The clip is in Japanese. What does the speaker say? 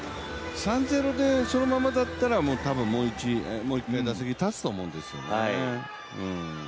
３−０でそのままだったら多分もう一回打席たつと思うんですよね。